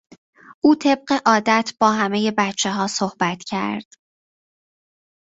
او طبق عادت با همهی بچه ها صحبت کرد.